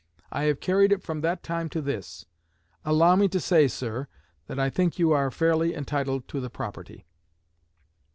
I have carried it from that time to this. Allow me to say, sir, that I think you are fairly entitled to the property.'"